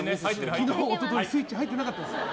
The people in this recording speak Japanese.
昨日、一昨日スイッチ入ってなかったんです。